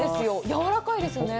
やわらかいですよね。